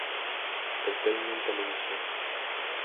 Entertainment Televisión".